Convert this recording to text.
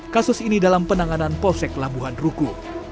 kasus ini dalam penanganan polsek labuhan ruku